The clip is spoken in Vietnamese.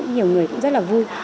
nhiều người cũng rất là vui